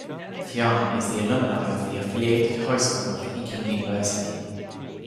Tian is the alumni of The Affiliated High School of Peking University.